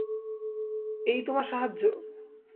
এই তোমার সাহায্য!